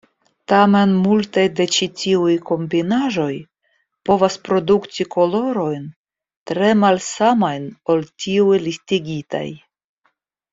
Tamen, multaj de ĉi tiuj kombinaĵoj povas produkti kolorojn tre malsamajn ol tiuj listigitaj.